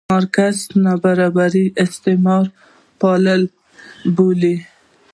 مارکس نابرابري استثمار پایله بولي.